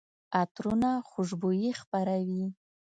عطرونه خوشبويي خپروي.